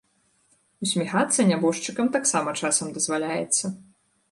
Усміхацца нябожчыкам таксама часам дазваляецца.